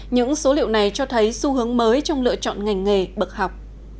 những số liệu này cho thấy xu hướng mới trong lựa chọn ngành nghề bậc học